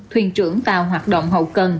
thuyền trưởng tàu hoạt động hậu cần